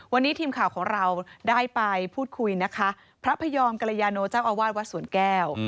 วันนี้ทีมข่าวของเราได้ไปพูดคุยนะคะพระพยอมกรยาโนเจ้าอาวาสวัดสวนแก้ว